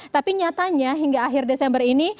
tapi nyatanya hingga akhir desember ini